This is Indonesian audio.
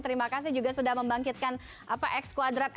terima kasih juga sudah membangkitkan x quadrat